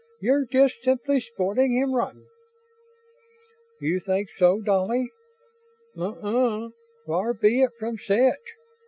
"You're just simply spoiling him rotten." "You think so, Dolly? Uh uh, far be it from such."